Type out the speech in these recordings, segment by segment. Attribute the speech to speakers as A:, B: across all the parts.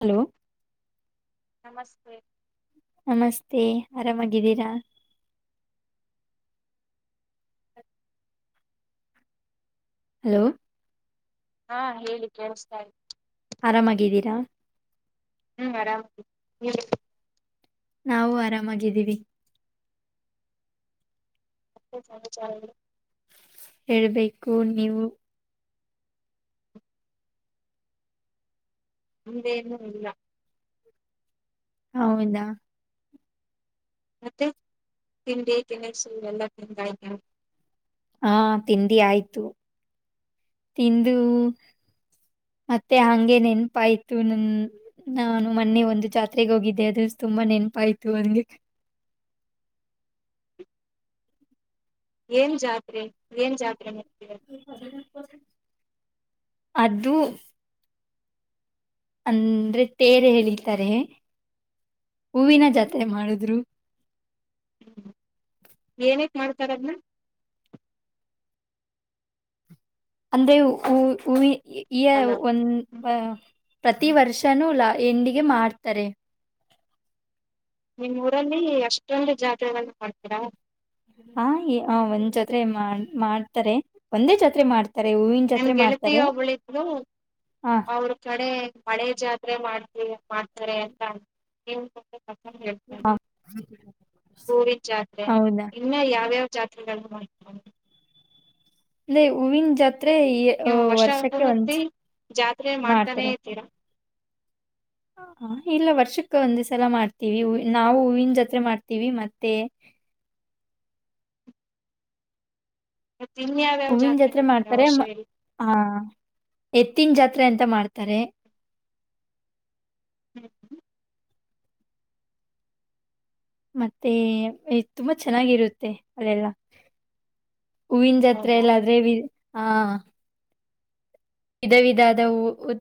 A: hello
B: ನಮಸ್ತೆ
A: ನಮಸ್ತೆ ಆರಾಮಾಗಿದ್ದೀರಾ ಹಲೋ
B: ಹಾ ಹೇಳಿ ಕೇಳಿಸತಾ ಇ
A: ಆರಾಮಾಗಿದ್ದೀರಾ
B: ಹ್ಮ್ ಆರಾಮ್
A: ನಾವು ಆರಾಮಾಗಿದ್ದೀವಿ
B: ಹ ಚ
A: ಹೇಳ್ಬೇಕು ನೀವು
B: ಹಂದೇನುೂ ಇಲ್ಲ
A: ಹೌದಾ
B: ಮತ್ತೆ ತಿಂಡಿ ತಿಿನಸು ಎಲ್ಲ ತಿಂಗಾಯಕ
A: ಹಾ ತಿಂಡಿ ಆಯ್ತು ತಿಂದು ಮತ್ತೆ ಹಂಗೆ ನೆನಪಾಯ್ತು ನನ್ ನಾನು ಮೊನ್ನೆ ಒಂದು ಜಾತ್ರೆಗೆ ಹೋಗಿದ್ದೆ ಅದ ತುಂಬಾ ನೆನ್ಪಾಯ್ತು ಹಂಗೆ
B: ಏನ್ ಜಾತ್ೆ ಏನ್ ಜಾತ್ರೆೆ
A: [inaudible] ಅ ಅಂದ್ರೆ ತೇರೆ ಹಿತಾರೆ ಹೂವಿನ ಜಾತ್ರೆ ಮಾಡುದ್ರು
B: ಹ್ಮ ಏನ ಮಾಡ್ತಾರದ
A: ಅಂದೆ ಹ ಹಊವಿ ಈ
B: ಅಲೋ
A: ಒಂದು ಪ್ರತಿ ವರ್ಷನೂ ಲ ಎಂಡಿಗೆ ಮಾರ್ತಾರೆ
B: ನಿಮ್ಮ ಊರಲ್ಲಿ ಅಷ್ಟೊಂದು ಜಾತ್ರೆಗಳಲ್ಲ ಮಾಡ್ತೀರಾ
A: ಹಾ ಒಂದ್ ಜೋತ್ರೆ ಮಾಡ ಮಾಡ್ತಾರೆ ಒಂದೇ ಜೋತ್ರೆ ಮಾಡ್ತ
B: ನಮ್ ಗೆಳತಿಯೋಬಳಿದ್ು
A: ಹ
B: ಅವ್ರ ಕಡೆ ಮಳೆ ಜಾತಿ ಮಾಡವಿ ಮಾಡ್ತಾರೆ ಅಂತ ಇ
A: ಹ
B: ಹೇಳ್ತಾದೆ ಹೂವಿ ಜಾತ್ರೆ
A: ಹೌದಾ
B: ಇನ್ನ ಯಾವ್ಯಾವ ಜಾತ್
A: ಇ ಹವಿನ ಜತ್
B: ನೀವು ವರ್ಷ ಹೊತ್ತಿ ಜಾತ್ರೆ ಮಾಡ್ತಾನೇ
A: ಮಾಡ್ತಾರೆ
B: ಇರ್ತೀರಾ
A: ಇಲ್ಲ ವರ್ಷಕ್ಕ ಒಂದ್ ಸಲ ಮಾಡ್ತೀವಿ ನಾವು ಹೂವಿನ ಜತ್ರೆ ಮಾಡ್ತೀವಿ ಮತ್ತೆ
B: ಮತ್ತ ಇನ್ಯಾವ್ಯಾವ
A: ಹೂವಿನ ಜಾತ್ರೆ
B: ಮಾಡ್ತೀರಾ
A: ಮಾಡ್ತಾರೆ
B: ವರ್ಷದಲ್ಲಿ
A: ಹಾ ಎತ್ತಿನ ಜಾತ್ರೆ ಎಂತ ಮಾಡ್ತಾರೆ
B: ಹ್ಮ್ ಹ್ಮ್
A: ಮತ್ತೆ ತುಂಬಾ ಚೆನ್ನಾಗಿರುತ್ತೆ ಅಲ್ಲೆಲ್ಲಾ ಹೂವಿನ ಜತ್ರೆ
B: ಹೌದಾ
A: ಎಲ್ಲಾದ್ರೆ ಹಾ ವಿಧ ವಿಧದ ಹೂ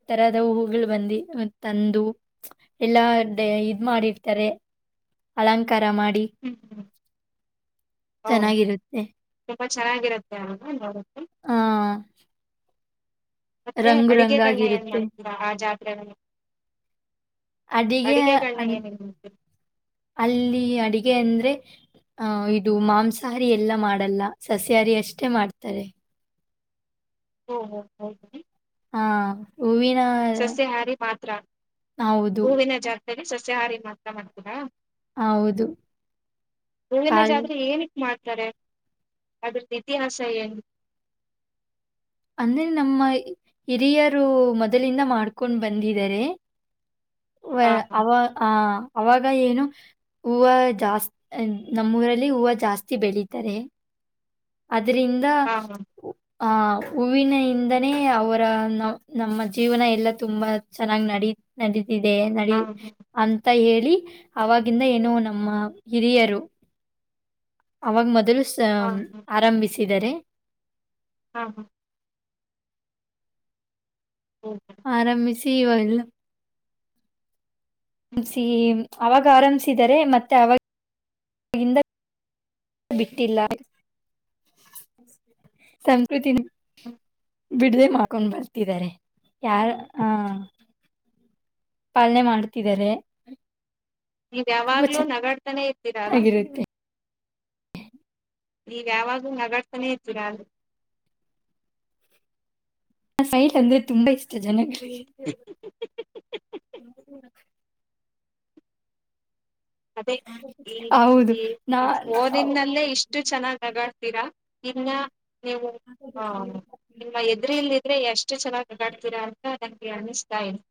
A: ತರದ ಹೂವುಗಳು ಬಂದು ತಂದು ಎಲ್ಲಾ ಇದ್ ಮಾಡಿರ್ತಾರೆ ಅಲಂಕಾರ ಮಾಡಿ
B: ಹ್ಮ್ ಹ್ಮ್ ಹಓ
A: ಚೆನ್ನಾಗಿರುತ್ತೆ
B: ತುಂಬಾ ಚೆನ್ನಾಗಿರತ್ತೆ ಅವಲ್ಲ ನೋಡಕ್ಕೆೆ
A: ಆ [inaudible]
B: ಮತ್ತೆ
A: ರಂಗು
B: ಅಡಿಗೆಗಣ್ಣ ಏನ್
A: ರಂಗಾಗಿರುತ್ತೆ
B: ಮಾಡ್ತೀರಾ ಆ ಜಾತ್ರೆ
A: ಅಡಿಗೆ
B: ಅಡಿಗೆಗಣ್ಣ
A: ಅನ್-
B: ಏನನ್ ಮಾಡ್ತೀರ
A: ಗೆ ಅಂದ್ರೆ ಅಹ ಇದು ಮಾಂಸಾಹಾರಿ ಎಲ್ಲ ಮಾಡಲ್ಲ ಸಸ್ಯಾಹಾರಿ ಅಷ್ಟೇ ಮಾಡ್ತಾರೆ
B: ಹ ಹ ಹಿ
A: ಹಾ ಹೂವಿನ
B: ಸಸ್ಯಾಹಾರಿ
A: ಹೌದು
B: ಅೇ ಸಸ್ಯಹಾರಿ ಮಾತ್ರ ಮಾಡ್ತೀರಾ
A: ಹೌದು
B: ಹೂವಿನ
A: ಕಲ್
B: ಜಾತ್ರೆ ಏನಕ್ ಮಾಡ್ತಾರೆ ಅದ್ರದ್ದ ಇತಿಹಾಸ ಏನು
A: ಅಂದ್ರೆ ನಮ್ಮ ಹಿರಿಯರು ಮೊದಲಿಂದ ಮಾಡ್ಕೊಂಡ್ ಬಂದಿದ್ದಾರೆ ವ
B: ಹಾ
A: ಅವ ಆ ಅವಾಗ ಏನು ಹೂವು ಜಾಸ್ತಿ ನಮ್ಮೂರಲ್ಲಿ ಹೂವು ಜಾಸ್ತಿ ಬೆಳೀಿತಾರೆ ಅದ್ರಿಂದ
B: ಹಾ ಹಾ
A: ಆ ಹೂವಿನಿಂದನೇ ಅವರ ನ ನಮ್ಮ ಜೀವನ ಎಲ್ಲಾ ತುಂಬಾ ಚೆನ್ನಾಗಿ್ ನಡ ನಡೀ ಇದೆ ನಡಿ
B: ಹಾ ಹಾ
A: ಅ ಹೇಳಿ ಅವಾಗಿಂದ ಏನು ನಮ್ಮ ಹಿರಿಯರು ಅವಾಗ ಮೊದಲು ಸ
B: ಹಾ ಹಾ ಹಾ
A: ಿಸಿದರೆ
B: ಹಾ ಹಾ
A: ಆರಂಭಿಸಿ ಸವಲ್ ಎಸ ಅವಾಗ ಆರಂಭಿಸಿದರೆ ಮತ್ತೆ ಅವ ಬಿಟ್ಟಿಲ್ಲ ಸಂಸ್ಕೃತಿ
B: ಹ್ಮ
A: ಬಿಡದೆ ಮಾಡಕೊಂಡ್ ಬರ್ತಿದ್ದಾರೆ ಯಾರ ಹ ಪಾಲನೆ ಮಾಡ್ತಿದ್ದಾರೆ
B: ನೀವ
A: ತುಂಬಾ
B: ಯಾವಾಗ್ಲೂ ನಗಾಡ್ತಾನೇ ಇರ್ತೀರ ಅಲ್ಲ
A: ಚೆನ್ನಾಗಿರುತ್ತೆ
B: ನೀವ್ ಯಾವಾಗಲೂ ನೆಗಾಡ್ತಾನೆ ಇರ್ತೀರಾ
A: ನಾ ಸೈಟ್ ತುಂಬಾ ಇಷ್ಟ ಜನ
B: ಅದೇ ಈ
A: ಹೌದು ನಾ
B: ಈ
A: ನಾವು-
B: ಫೋನಿನಲ್ಲೇ ಇಷ್ಟು ಚೆನ್ನಾಗ್ ಹಗಾಡ್ತೀರಾ ಇನ್ನ ನೀವು ಹ ನಿಮ್ಮ ಎದ್ರಲ್ಲಿ ಆದ್ರೆ ಎಷ್ಟು ಚೆನ್ನಾಗಿ ಅಾಡ್ತೀರಾ ಅಂತ ನನ್ಗೆ ಅನಿತಾಯಿದೆ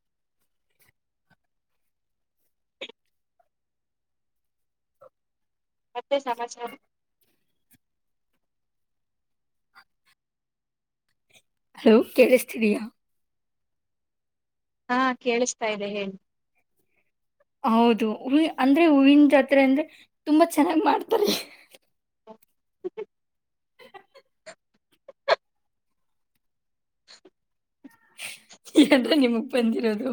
B: ಮತ್ತೆ ಸಮಾಚಾರ
A: ಹಲೋ ಕೇಳಿಸ್ತೀದಯಾ
B: ಹಾ ಕೇಳಿಸ್ತಾ ಇದೆ ಹೇಳಿ
A: ಹೌದು ಹ ಅಂದ್ರೆ ಹೂವಿನ ಜಾತ್ರೆ ಅಂದ್ರೆ ತುಂಬಾ ಚೆನ್ನಾಗ್ ಮಾಡ್ತಾರೆ
B: [inaudible]
A: ಎಂತ ನಿಮಗ್ ಬಂದಿರೋದು